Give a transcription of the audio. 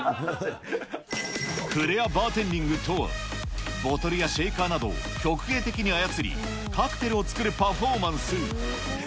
フレアバーテンディングとは、ボトルやシェイカーなどを曲芸的に操り、カクテルを作るパフォーマンス。